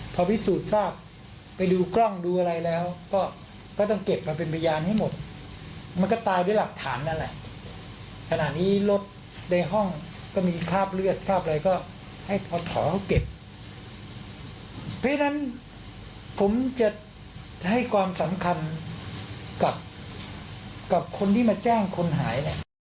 พอพิสูจน์ทราบไปดูกล้องดูอะไรแล้วก็ก็ต้องเก็บมาเป็นพยานให้หมดมันก็ตายด้วยหลักฐานนั่นแหละขณะนี้รถในห้องก็มีคราบเลือดคราบอะไรก็ให้พอถอเขาเก็บเพราะฉะนั้นผมจะให้ความสำคัญกับคนที่มาแจ้งคนหายเนี่ย